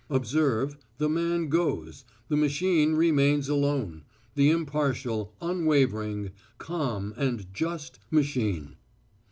Observe, the man goes, the machine remains alone, the impartial, unwavering, calm and just machine.